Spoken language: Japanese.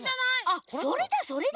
あそれだそれだ！